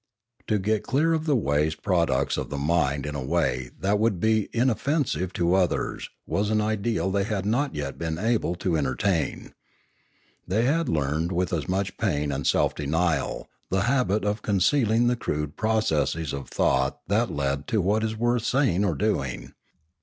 To get clear of the waste pro ducts of the mind in a way that would be inoffensive to others was an ideal they had not yet been able to enter tain. They had learned with much pain and self denial the habit of concealing the crude processes of thought that lead to what is worth saying or doing.